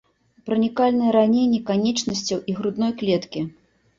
Пранікальныя раненні канечнасцяў і грудной клеткі.